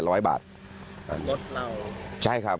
รถเหล่ารถเหล่าน้ำมันเหล่าใช่ครับ